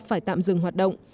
phải tạm dừng hoạt động